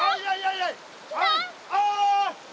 ああ。